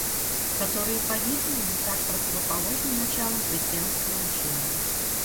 Которые по-видимому так противоположны началам христианского учения.